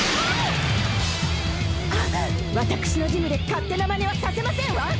私のジムで勝手な真似はさせませんわ！